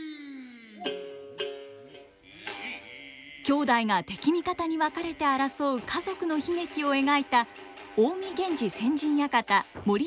兄弟が敵味方に分かれて争う家族の悲劇を描いた「近江源氏先陣館盛綱陣屋」。